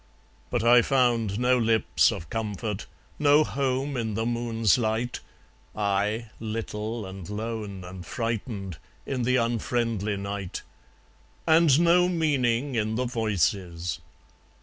But I found no lips of comfort, No home in the moon's light (I, little and lone and frightened In the unfriendly night), And no meaning in the voices.